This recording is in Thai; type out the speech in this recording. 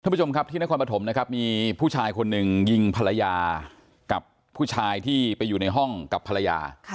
ผู้ชมครับที่นครปฐมนะครับมีผู้ชายคนหนึ่งยิงภรรยากับผู้ชายที่ไปอยู่ในห้องกับภรรยา